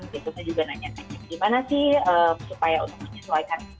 biasanya juga nanya nanya gimana sih supaya untuk menyesuaikan